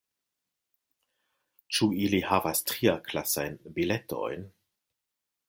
Ĉu ili havas triaklasajn biletojn?